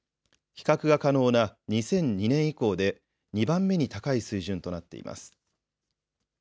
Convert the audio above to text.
比較が可能な２００２年以降で２番目に高い水準となっています。